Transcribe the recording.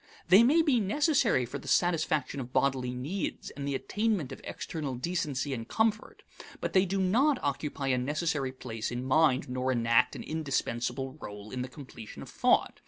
They may be necessary for the satisfaction of bodily needs and the attainment of external decency and comfort, but they do not occupy a necessary place in mind nor enact an indispensable role in the completion of thought.